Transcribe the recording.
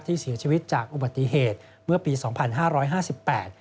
ที่เสียชีวิตจากอุบัติเหตุเมื่อปีสองพันห้าร้อยห้าสิบแปด